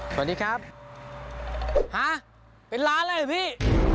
สวัสดีครับฮะเป็นล้านเลยเหรอพี่